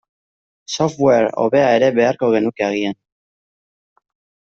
Software hobea ere beharko genuke agian.